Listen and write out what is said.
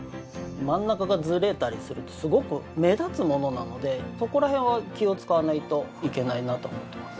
真ん中がずれたりするとすごく目立つものなのでそこら辺は気を使わないといけないなと思ってます。